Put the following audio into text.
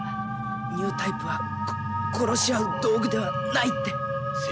ニュータイプは殺し合う道具ではないって。